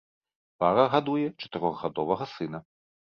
Пара гадуе чатырохгадовага сына.